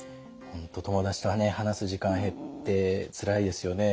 本当友だちと話す時間減ってつらいですよね。